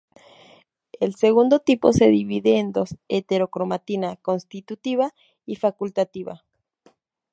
El segundo tipo se subdivide en dos: heterocromatina constitutiva y facultativa.